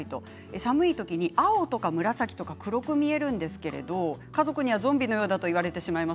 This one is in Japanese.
寒い時に青とか紫とか黒く見えるんですけれども家族にはゾンビのようだと言われてしまいます。